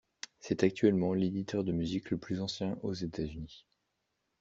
C'est actuellement l'éditeur de musique le plus ancien aux États-Unis.